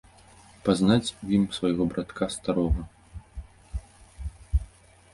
Пазнаць у ім свайго братка старога.